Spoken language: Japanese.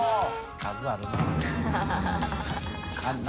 数あるな。